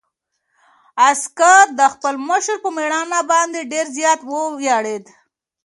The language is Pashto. عسکر د خپل مشر په مېړانه باندې ډېر زیات وویاړېد.